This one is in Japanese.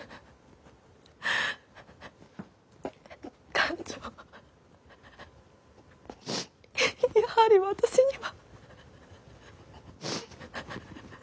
艦長やはり私には。